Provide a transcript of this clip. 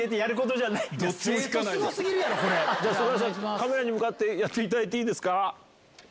カメラに向かってやっていただいていいですか。